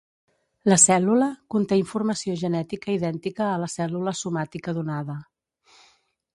La cèl·lula conté informació genètica idèntica a la cèl·lula somàtica donada.